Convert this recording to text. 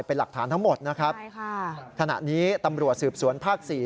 เป็นหลักฐานทั้งหมดนะครับใช่ค่ะขณะนี้ตำรวจสืบสวนภาคสี่